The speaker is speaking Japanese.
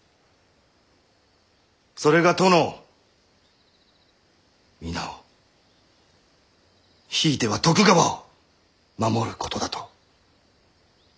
それが殿を皆をひいては徳川を守ることだと。